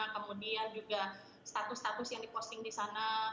kemudian juga status status yang diposting di sana